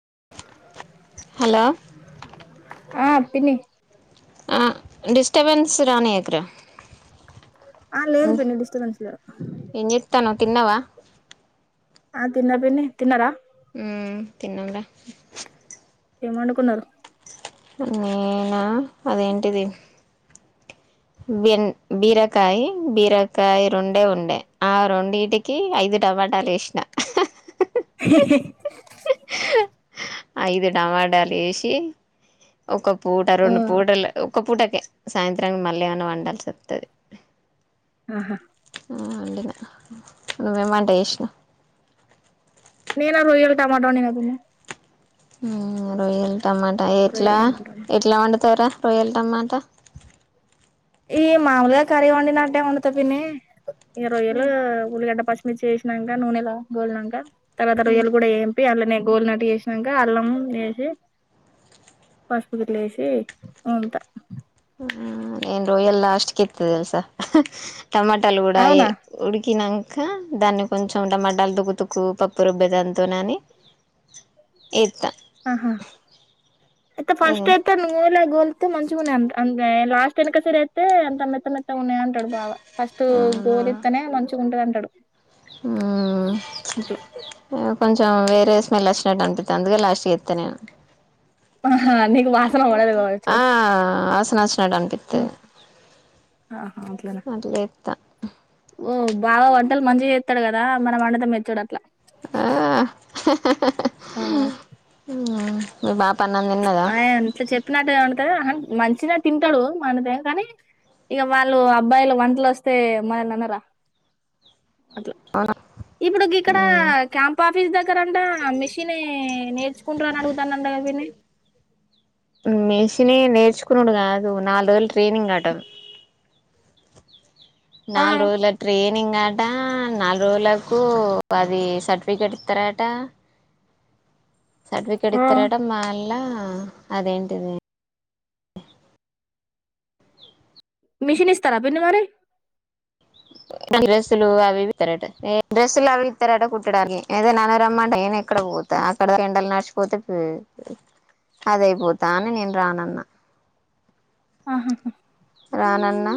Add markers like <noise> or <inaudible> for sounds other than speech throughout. <inaudible> Hello ఆ పిన్నీ disturbance రానీయకు రా ఆ లేదు పిన్ని డిస్టబెన్స్ లే తిన్నవా ఆ తిన్న పిన్ని తిన్నార హు తిన్నాం రా ఏమి వండుకున్నారు నేనా అదేంటిది బెన్ బీరకాయ బీరకాయ రెండే ఉండే ఆ రెండిటికి ఐదు టమాటాలు వేసినా <inaudible> ఐదు టమాటాలు వేసి ఒక పూట రెండు పూటలు ఒక్క పూటకే సాయంత్రానికి మళ్ళీ ఏమైనా వండాల్సి వస్తది ఆహా ఆ అంటే కదా నువ్ ఏం వంట చేసినవ్ నేన రొయ్యలు టమాటో వండిన పిన్ని హ్ రొయ్యల్ టమాటా రొయ్యల ఎట్లా టమాటా ఎట్లా వండు త్తరా కోయల్ టమాటా ఈ మాముూలుగా కర్రీ వండి నట్టే వండుతా పిన్ని ఇగ రొయ్యలు ఉల్లిగడ్డ పచ్చిమిర్చి వేసినంక నూనెలో గోలినంక తరువాత రొయ్యలు గుడా ఏం తప్పి అల్లనే గోలినట్టు చేసినంక అల్లం ఏసి పసుపు గిట్ల ఏసి వండుతా ఆ నేను రొయ్యలు లాస్ట్ కి ఏత్త తెల్సా టమాటాలు గుడ ఏ అవునా ఉడుకినాంక కా దాన్ని కొంచెం టమాటాలు దుక్కుతుక్కు పప్పు రుబ్బే దాంతోనని ఆహా అయితే ఫస్ట్ అయితే నునే గోల్ మ మంచి గున్నై అంద అంద లాస్ట్ ఎనకసిరి ఎస్తే అంత మెత్త మెత్తగా ఉన్నాయి అంటడు బావ ఫస్ట్ గోలిస్తనే మంచిగా ఉంటయ్ అంట టడు ఆ ఇ కొంచం కొంచెం వేరే స్మెల్ వచ్చినట్టు అనిపితది అందుకే లాస్ట్కు ఎత్త నేను ఆహా నీకు వాసన పడది కావచ్చు నచ్ నపిత్త ఆహా అట్లనా అ ఏత్త మ్మ్ ఓ బాగా వంటలు మంచిగా చేత్తడు కదా మనం అండుతే మెచ్చడు అట్లా ఆ ఆ మీ బాపు ఆయ ఎంత చెప్పినట్టు అంటే మంచినే తింటడు మనదే కానీ ఇక వాళ్ళు అబ్బాయిలు వంటలు వస్తే మనల్నీ అనరా అట్ల ఇప్పుడు గిక్కడ క్యాంప ఆఫీస్ దగ్గర అంట మిషినీ నేర్చుకుంటారు అని అడుగుతానట కద పిన్నీ మేషినీ నేర్చుకునుడు కాదు నాల్ రోజులు ట్రైనింగ్ అట ఆ నాలుగు రోజుల ట్రెన్ ట్రైనింగ్ అట నాలుగు రోజులకు అది సర్టిఫికెట్ ఇస్తరట సర్టిఫికేట్ ఆ ఇత్తరట మాల్ల ఆ అదేంటిది మిషన్ ఇస్తార పిన్ని మరి డ్రెస్సులు అవి ఇవి ఇత్తరట ఏ డ్రెస్సులు అవి ఇత్తరట కుట్టడానికి ఏదోనాన్నరమ్మంటే నేనెక్కడ ఒతా అక్కడ ఎండలు నర్చిపోతే పోయే అదయిపోతా అని నేను రానన్న ఆహాహా రానన్న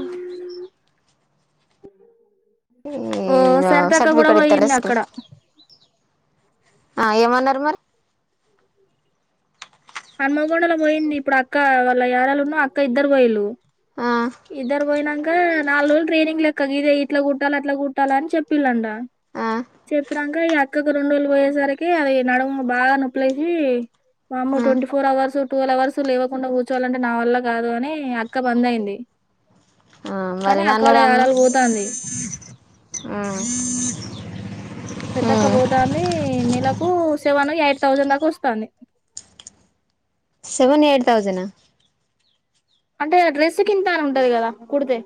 ఇ ఓ ఇగ సరితక్క గూడా సర్టిఫికేట్ బోయింది ఇస్తారా అక్కడ ఆ ఏమన్నరు మరి హనుమగొండలా పోయింది ఇప్పుడు అక్క వాళ్ళ యారళ ఉన్నా అక్క ఇద్దరు పోయిలు ఆ ఇద్దరు ఒయినంక నాల్రోజులు ట్రైనింగ్ లెక్క గిదే ఇట్లా కుట్టాలి అట్లా కుట్టాలని చెప్పిలంట ఆ చెపురాంగా ఇగ యత్ ఇంకొక రొండు రోజులు పోయేసరికి అది నడముకు బాగా నొప్పులేసి వామ్మో twenty four hours twelve hours లేకుండా కూర్చోవాలంటే నా వల్ల కాదు అని అక్క బంద్ అయింది ఆ మరి కానీ నన్ను అక్కవాళ్ళ యారాలు బోతంది ఆ పెదకబోతంది నెలకు సేవను ఎయిట్ థౌజండ్ దాకా వస్తంది సెవెన్ ఎయిట్ థౌసండ అంటే డ్రెస్ కింత అని ఉంటది గదా కుడితే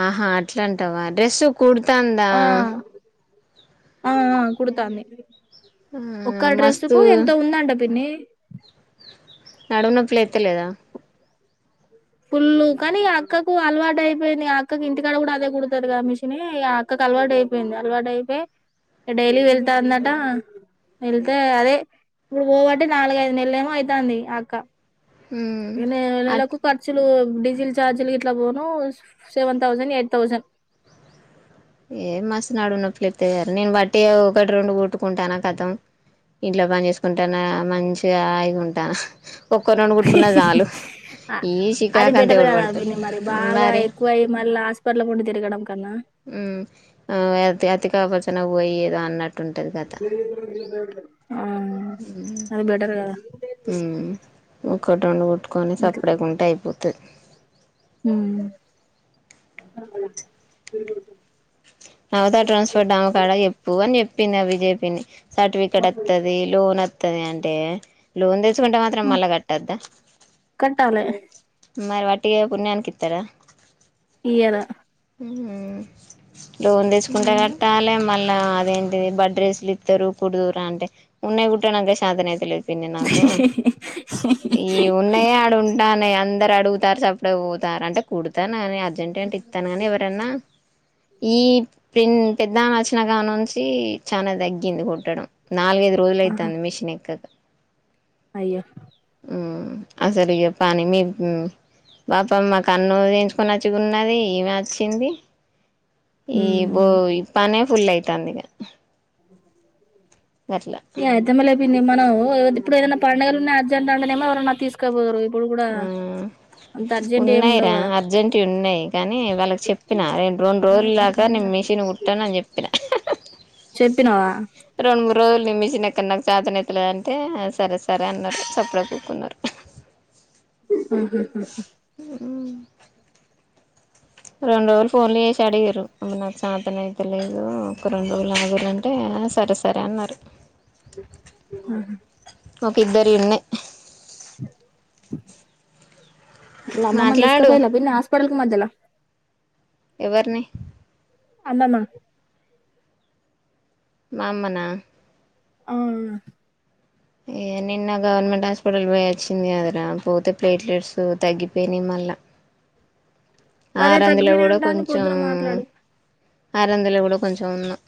ఆహా అట్లాంటవా డ్రెస్ కుడుతాండా ఆ ఆ ఆ కుడుతాంది ఆ ఒక్క డ్రెస్సు మస్తు కు ఎంతో ఉందంట పిన్ని నడుము నొప్పి లేత్తలేదా ఫుల్లు కాని అక్కకు అలవాటు అయిపోయింది ఆ అక్కకి ఇంటికాడ గూడా అదే కుడుతది గా మిషినే ఇగ అక్కకు అలవాటు అయిపోయింది అలవాటు అయిపోయి డైలీ వెళ్తాందట వెళ్తే అదే ఇప్పుడు పోబట్టి నాలుగైదు నెల్లేమో ఐతాంది అక్క ఉమ్ నే అట్ నెలకు ఖర్చులు డి సిల్ ఛార్జీల్ ఇట్లా పోను సెవెన్ థౌసండ్ ఎయిట్ థౌసండ్ ఏ మస్తు నడుమునొప్పిలేత్తది గద నేను వట్టిగ ఒకటి రొండు కుట్టుకుంటానా కతం ఇంట్లో పని చేసుకుంటానా మంచిగా హాయిగా ఉంటనా అ ఈ అది చికాకంతా బెటర్ ఎవడు కదా పడతడు పిన్ని మరి బాగా మరి ఎక్కువయ్యి మళ్ళ హాస్పిటల్ పొంటి తిరగడం కన్నా ఉమ్ అ అతి అతి కాపచనా పోయ్యేదా అన్నట్ట్ ఆ అది బెటర్ గద ఊమ్ ఒక్క <inaudible> ట్కొని ఇట్లా సప్పుడేకుంటే అయిపో త్ ఉమ్మ్ అవత ట్రాన్స్పోర్ట్ ఆమె కాడ ఎప్పు అని చెప్పింది ఆ విజేయ్ పిన్ని సర్టిఫికేట్ వత్తది లోన్ వత్ త్తది అంటే లోన్ దె <inaudible> కుంటే మాత్రం మళ్ళ కట్టద్దా కట్టాలే మరి వట్టిగా పుణ్యానికిత్తారా ఇయ్యలా మ్మ్ ఊ లోన్ తెచ్చుకుంటే కట్టాలి మళ్ లా అదేంటిది బడ్ రేస్లు ఇత్తరు కుడుదువురా అంటే ఉన్నాయి కుట్టానాకే షాతనైతలేదు పిన్ని నాకు ఈ ఉన్నాయా ఆడ ఉన్ డానే అందరు అడుగుతారు సప్పుడువుతారు అంటే కుడతా నానే అర్జెంట్‌ అంటే ఇత్తనానే ఎవరన్నా ఈ ప్రిన్ పెద్దమె వచ్చినకాడ నుంచి చానా తగ్గింది కుట్టడం నాలుగైదు ఆహా రోజలయితాంది మిషన్ ఎక్కక అయ్యో ఉమ్ అసలు ఇగ పని మీ మ్మ్ పాపం మాకు <inaudible> వచ్చికున్నది ఈమ వచ్చింది ఈ బో హ్మ్ ఈ పనే ఫుల్అయితాందిక అ అయితే మల ఎ ఇన్ని మనం ఇప్పుడు ఏదైనా పండుగలు ఉన్నా అర్జెంట్ అంటేనేమో ఎవరైన్నా తీసుకపోరు ఆ ఏమి ఉండవు ఉన్నాయిరా కదా అర్జెంట్వి ఉన్నాయి కానీ వాళ్ళకి చెప్పిన రెండు రొండు రోజుల దాకా నేను మిషిన్ కుట్టను అని చెప్పినా చెప్పినావా రెండు మూడు రోజులు నేను మిషనెక్కను నాకు చాతనాయితలే అంటే సరే సరే అన్నారు సప్పుడు కూకున్నారు ఉహు హు హు మ్ రెండు రోజులు ఫోన్లు చేసి అడిగరు అమ్ నాకు చాతనైతలేదు ఒక రెండు రోజులు అడుగురంటే సరే సరే అన్నారు ఉహు ఒక ఇద్దరి ఉన్నయి గుబ్ గుబ్ ఇల అమ్మమ్మ మాట్లాడు తీసుకపోయిలే పిన్ని ఆస కొడల్కు మధ్యలా ఎవరిని అమ్మమా మా అమ్మ నా ఆ నిన్న గవర్నమెంట్ హాస్పిటల్ పోయాచ్చింది కద రా పోతే ప్లేట్లెట్స్ తగ్గిపోయినాయి మళ్ళా అదే ఆరంధాల తగ్గిపోయినాయి కూడా అంటాంది కొంచం పొద్దున మాట్లాడి ఆరందలో కూడా కొంచెం ఉన్నా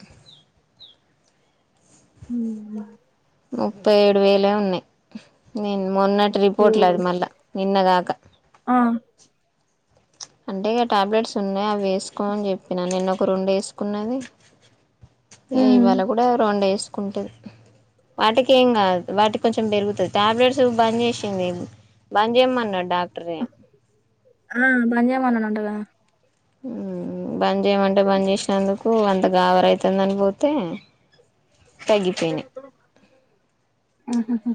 హు ముప్పై ఏడు వేలే ఉన్నాయి నేను మొన్నటి రిపోర్ట్లది మళ్ళా నిన్న గాక ఆ అంటే ఇక టాబ్లెట్స్ ఉన్నాయి అవి వేసుకోమని చెప్పినా నిన్నా ఒక రెండు వేసుకున్నది ఉమ్ ఇవాళ కూడా రెండేసి ఉంటుంది వాటికి ఏం కాదు వాటికి కొంచెం పెరుగుతుంది టాబ్లెట్స్ బంద్ చేసింది బంద్ చేయమన్నాడు డాక్ట ఆ బంద్ చేయమన్న రాంటా కదా హ్మ్ బంద్ చేయమంటే బంద్ చేసినందుకు అంత గాబర అవుతుంది అని భత తే ఆహ్ హా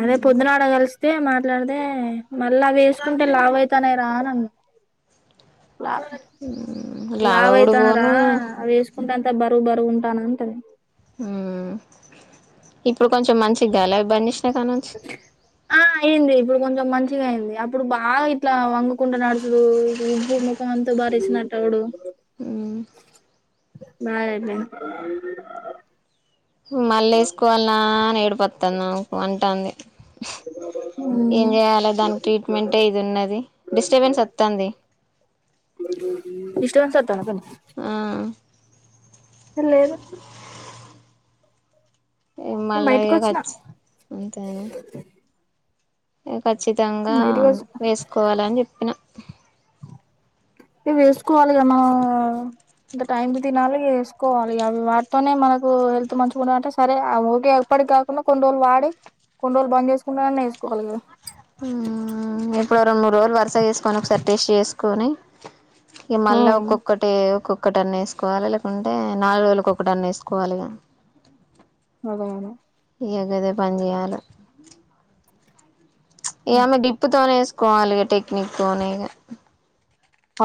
అదే పొద్దునాట క తే మాట్లాడదే మళ్ళ అవి వేసుకుంటే లావ అవుతానేరా అంధి లావావ కూడు పోను కుంటాంత బరు బరు ఉంటాన అంతది ఆ ఇప్పుడు కొంచెం మంచిగాల బంద్ కానుంచి ఆ అయింది ఇప్పుడు కొంచెం మంచిగా అయింది అప్పుడు బాగా ఇట్లా వంగకుంట నడుచడు ఉబ్బు ముఖం అంతో బారసినట్టటుడు. నాడి మళ్ళీ వేసుకోవాలా వస్తుందికు అంటుంది ఏం చేయలో దానికి ట్రీట్మెంటే ఇది ఉన్నది డిస్టర్బెన్స్ వస్తుంది. ఇష్ట వన్ సత అం ఆ హలో ఏ మళ్ళగ బయటకు వచ్చిన ఖర్చు అంతేనా ఇ ఖచ్చితంగా బయటకు వచ్చిన వేసుకోవాలని చెప్పిన ఇవి వేసుకోవాలి కదా మనం ఇంత టైంకి తినాలి వేసుకోవాలి అవి వాడుతోనే మనకు హెల్త్ మంచిగా అంటే సరే ఓకే ఎప్పటికి కాకుండా కొన్ని రోజులు వాడి కొన్ని రోజులు బంద్ చేసుకుంటానే వేసుకోవాలి కదా. ఇప్పుడు రెండు మూడు రోజులు వరుస చేసుకొని ఒకసారి టేస్ట్ చేసు. కోని ఇ మళ్ళా ఒక్కొక్కటి ఒక్కొక్క ఒక టన్ వేసుకోవాలి లేకుంటే నాలుగు రోజులకు ఒక టన్న వేసుకోవాలిగా అదా ఇగా గదే పని చేయాలి ఏమె డిప్పుతోనీ వే కోవాలిగా టెక్నిక్ తోనేగా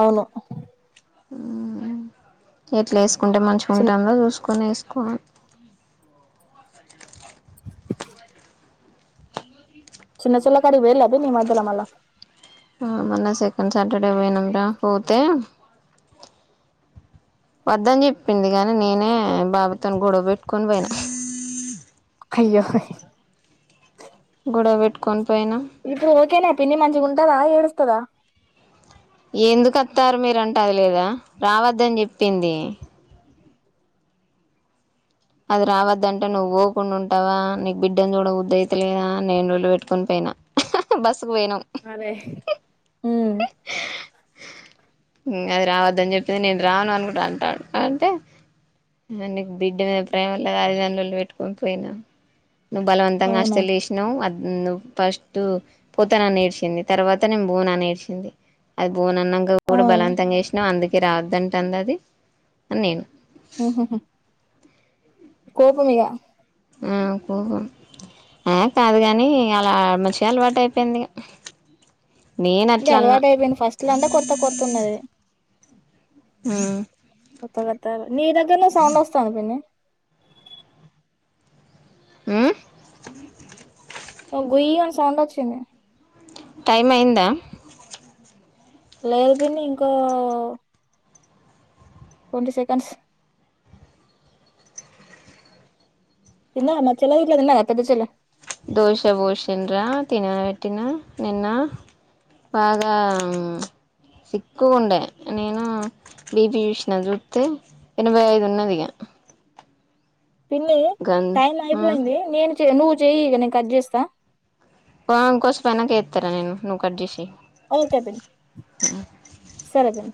అవును ఎట్లే కుంటే మంచిగా చిన్న ఉంటుందో చూసుకని కో చిన్న చెల్లె కాడికి పోయి రా పిన్ని ఈ మధ్యలమల్ల మొన్న సెకండ్ సాటర్డే పోయినం రా పోతే వద్దని చెప్పింది కానీ నేనే బాబుతోనీ గొడవ పెట్టుకొని పోయినా. అయ్యో గొడవ పెట్టుకొని పోయినాం ఇప్పుడు ఓకేనా పిన్ని మంచిగా ఉంటదా ఏడుస్తదా ఎందుకు వస్తారు మీరంట లేదా రావద్దని చెప్పింది. అది రావద్దంటే నువ్వు పోకుండా ఉంటావా నీకు బిడ్డని చూడ బుద్ధి అయితలేదా నేను లొల్లి పెట్టుకొని పోయినా బస్. అదే హామ్ అది రావద్దని చెప్పింది నేను రాను అనుకుంటా అంటా అంటే నీకు బిడ్డ మీద ప్రేమ లేదా అది ఇది అని లొల్లి పెట్టుకుని పోయిన. నువ్వు బలవంతంగా అవునా హాస్టల్ చేసినవ్ ఫస్ట్ పోతనా నేడ్చింది తర్వాత నేను పోనని ఏడ్చి. అది భోనఅన్నంక ఆ కూడా బలవంతం చేసినాం అందుకే రావద్దంటఅంది అది అని నేను హ్ హ్ కోపం ఇగ కోపం కాదు కానీ అలా మంచిగా అలవాటు అయిపోయింది ఇక ఇది అలవాటు అయిపోయింది ఫస్ట్ లొ అంటే కొత్త కొత్తవున్నది ఆ కొత్త కొత్తగా నీ దగ్గరలో సౌండ్ వస్తాంది పిన్ని ఆ చింది టైం అయిందా లేదు పిన్ని ఇంకా ట్వంటీ సెకండ్స్ తిన్నావా చెల్లె గిట్ల తిన్నదా పెద్ద చెల్లె దోస బోసిన్ రా తినబెట్టిన నిన్న బాగా సిక్కుగ ఉండే నేను బీపీ చూసిన చూస్తే ఎనభై ఐదు ఉన్నదిఇగ పిన్ని టైం అయిపోయింది నేను నువ్వు చెయ్యి ఇగ నేను కట్ చేస్తా ఆ కొద్దిసేపు అయినా ఇంకా చేస్తారా నేను నువ్వు కట్ చేసేసేయ్ ఓకే పిన్ని సరే పిన్ని